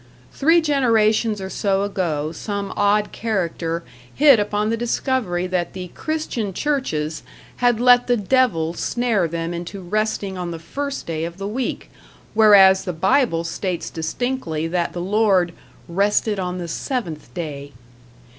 Three generations or so ago some odd character hit upon the discovery that the Christian churches had let the devil snare them into resting on the first day of the week, whereas the Bible states distinctly that the Lord "rested on the seventh day".